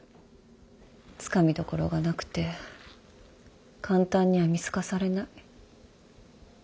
つかみどころがなくて簡単には見透かされない。